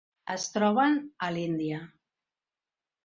Es troben a l'Índia.